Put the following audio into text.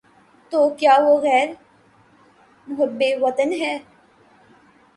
تو کیا وہ غیر محب وطن ہے؟